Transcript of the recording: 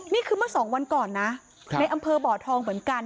นี่คือเมื่อสองวันก่อนนะในอำเภอบ่อทองเหมือนกัน